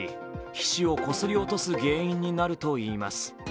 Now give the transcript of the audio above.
皮脂をこすり落とす原因になるといいます。